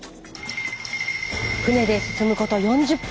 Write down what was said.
船で進むこと４０分。